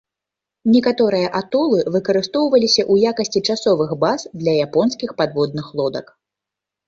Некаторыя атолы выкарыстоўваліся ў якасці часовых баз для японскіх падводных лодак.